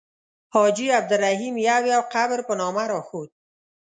حاجي عبدالرحیم یو یو قبر په نامه راښود.